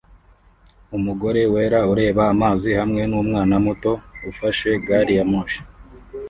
Umugore wera ureba amazi hamwe numwana muto ufashe gari ya moshi